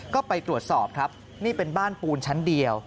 ก็ไปตรวจสอบครับนี่เป็นบ้านปูนชั้นเดียว